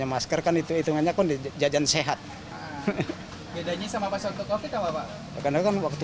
masker kan itu hitungannya kondisi jajan sehat bedanya sama pasok kita pak karena kan waktu